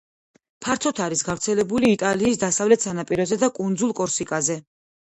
ფართოდ არის გავრცელებული იტალიის დასავლეთ სანაპიროზე და კუნძულ კორსიკაზე.